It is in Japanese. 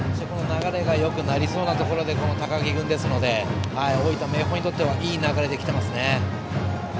流れがよくなりそうなところでこの高木君ですので大分・明豊にとってはいい流れで来ていますね。